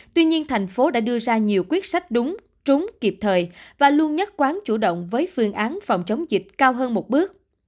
tuy nhiên thành phố đã đưa ra nhiều quyết sách đúng trúng kịp thời và luôn nhất quán chủ động với phương án phòng chống dịch cao hơn một bước